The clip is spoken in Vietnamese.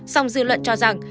xong dư luận cho rằng